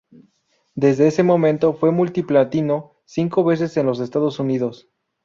Desde ese momento fue multiplatino cinco veces en los Estados Unidos.